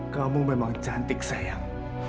kamu memang cantik sayang